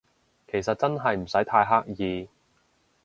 其實真係唔使太刻意